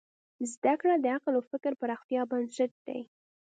زدهکړه د عقل او فکر پراختیا بنسټ دی.